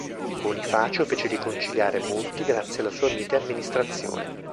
Bonifacio fece riconciliare molti grazie alla sua mite amministrazione.